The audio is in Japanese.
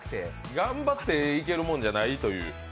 頑張っていけるもんじゃないという。